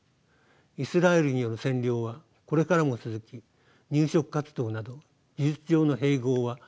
イスラエルによる占領はこれからも続き入植活動など事実上の併合は更に進むでしょう。